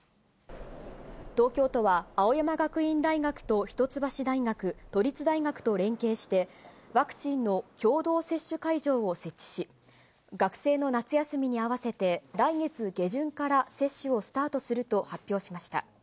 東京都は、青山学院大学と一橋大学、都立大学と連携して、ワクチンの共同接種会場を設置し、学生の夏休みに合わせて、来月下旬から接種をスタートすると発表しました。